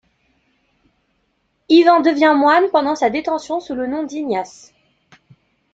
Ivan devient moine pendant sa détention sous le nom d'Ignace.